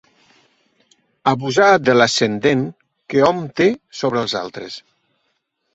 Abusar de l'ascendent que hom té sobre els altres.